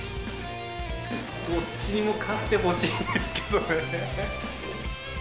どっちにも勝ってほしいですけどね。